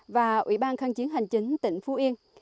và ủy ban kháng chiến hành chính tỉnh phú yên